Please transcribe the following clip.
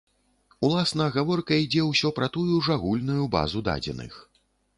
Уласна гаворка ідзе ўсё пра тую ж агульную базу дадзеных.